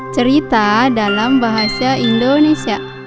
cerita dalam bahasa indonesia